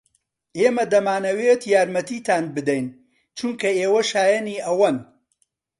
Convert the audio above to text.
ئێمە دەمانەوێت یارمەتیتان بدەین چونکە ئێوە شایەنی ئەوەن.